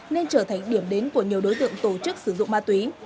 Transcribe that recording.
nên trở thành điểm đến của nhiều đối tượng tổ chức sử dụng ma túy